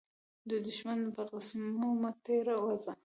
د دښمن په قسمو مه تير وزه.